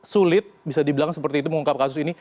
sulit bisa dibilang seperti itu mengungkap kasus ini